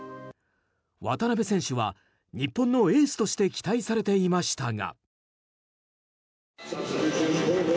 渡邊選手は日本のエースとして期待されていましたが。